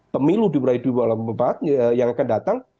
pemilu di wdw yang akan datang